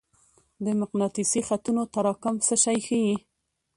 د مقناطیسي خطونو تراکم څه شی ښيي؟